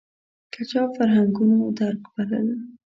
که چا فرهنګونو درک بلل